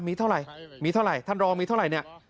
มีเท่าไหร่ท่านรองมีเท่าไหร่เนี่ย